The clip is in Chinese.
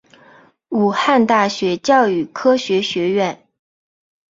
武汉大学教育科学学院